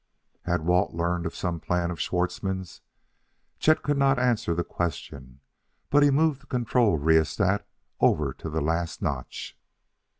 Had Walt learned of some plan of Schwartzmann's? Chet could not answer the question, but he moved the control rheostat over to the last notch.